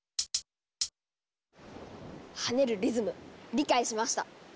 跳ねるリズム理解しました！